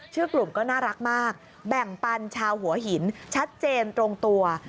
ชื่อกลุ่มก็น่ารักมากแบ่งปันชาวหัวหินชัดเจนตรงตัว